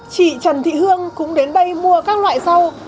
chị trần thị hương cũng đến đây mua các loại rau